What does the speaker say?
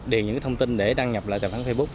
điền những thông tin để đăng nhập lại tài khoản facebook